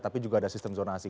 tapi juga ada sistem zonasi